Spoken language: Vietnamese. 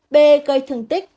b gây thương tích